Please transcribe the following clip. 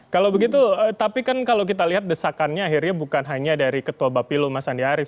kalau begitu tapi kan kalau kita lihat desakannya akhirnya bukan hanya dari ketua bapilu mas andi arief